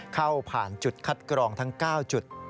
ผ่านจุดคัดกรองทั้ง๙จุด